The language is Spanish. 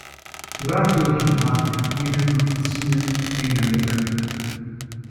Radio Dinamarca tiene una oficina en la localidad.